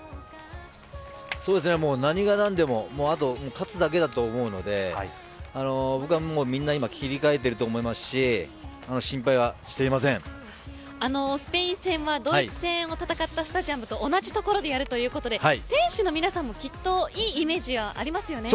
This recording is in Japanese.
もう何が何でもあと勝つだけだと思うので僕はみんな今、切り替えてると思いますしスペイン戦はドイツ戦を戦ったスタジアムと同じ所でやるということで選手の皆さんも、きっといいイメージがありますよね。